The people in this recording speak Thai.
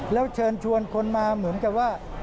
แล้วเชิญชวนคนมาเหมือนกับว่า